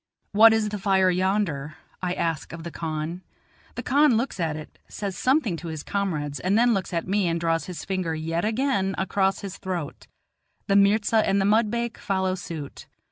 "What is the fire yonder?" I ask of the khan. The khan looks at it, says something to his comrades, and then looks at me and draws his finger yet again across his throat; the mirza and the mudbake follow suit.